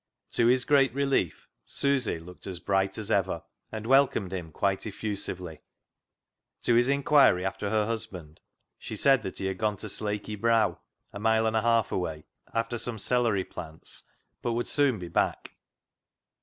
To his great relief, Susy looked as bright as ever, and welcomed him quite effusively. To his inquiry after her husband, she said that he had gone to Slakey Brow — a mile and a half away — after some celery plants, but would soon be back.